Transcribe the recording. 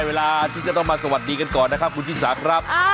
เวลาที่จะต้องมาสวัสดีกันก่อนนะครับคุณชิสาครับ